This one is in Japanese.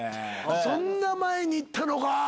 そんな前に行ったのか。